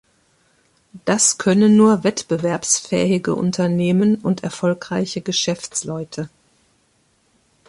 Das können nur wettbewerbsfähige Unternehmen und erfolgreiche Geschäftsleute.